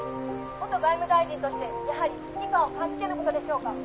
「元外務大臣としてやはり危機感を感じての事でしょうか？」